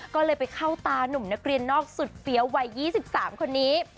ก็เลยไปเข้าตานุ่มนักเรียนนอกสุดเฟี้ยววัย๒๓คนนี้